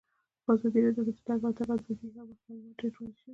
په ازادي راډیو کې د د تګ راتګ ازادي اړوند معلومات ډېر وړاندې شوي.